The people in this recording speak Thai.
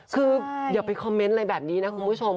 คืออย่าไปคอมเมนต์อะไรแบบนี้นะคุณผู้ชม